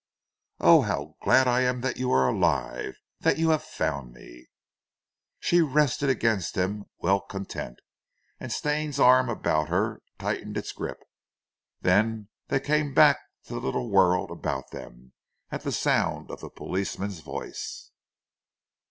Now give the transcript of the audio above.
"Oh, how glad I am that you are alive! That you have found me." She rested against him well content, and Stane's arm about her tightened its grip; then they came back to the little world about them, at the sound of the policeman's voice.